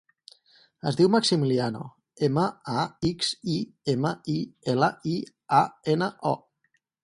Es diu Maximiliano: ema, a, ics, i, ema, i, ela, i, a, ena, o.